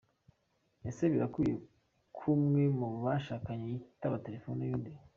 Ese birakwiye ko umwe mu bashakanye yitaba telefoni y’undi